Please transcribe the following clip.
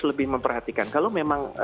lebih memperhatikan kalau memang